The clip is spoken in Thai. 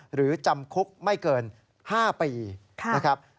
หรือจำคุกไม่เกิน๕ปีนะครับ